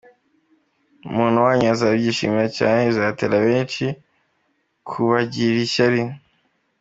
Umuntu wanyu azabishimira cyane bizatera benshi kubagirira ishyari.